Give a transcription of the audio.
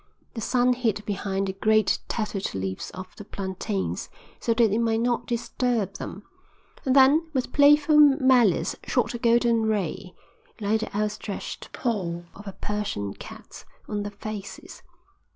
The sun hid behind the great tattered leaves of the plantains so that it might not disturb them, and then, with playful malice, shot a golden ray, like the outstretched paw of a Persian cat, on their faces.